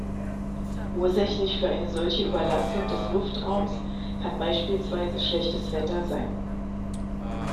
Ursächlich für eine solche Überlastung des Luftraums kann beispielsweise schlechtes Wetter sein.